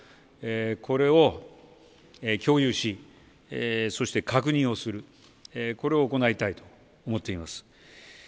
これを共有しそして確認をするこれを行いたいと思っています。